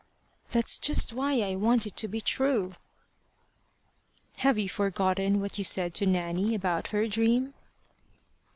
"That's just why I want it to be true." "Have you forgotten what you said to Nanny about her dream?"